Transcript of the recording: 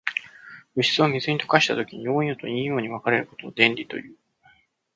物質を水に溶かしたときに、陽イオンと陰イオンに分かれることを電離という。